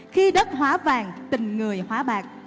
khi đất hóa vàng tình người hóa bạc